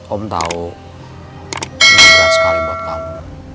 om tahu ini berat sekali buat kamu